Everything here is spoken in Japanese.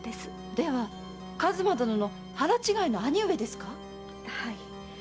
では数馬殿の腹違いの兄上ですか⁉はい。